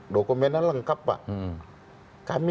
dokumennya lengkap pak